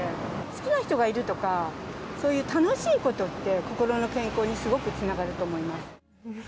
好きな人がいるとか、そういう楽しいことって、心の健康にすごくつながると思います。